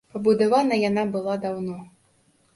Пабудавана яна была даўно.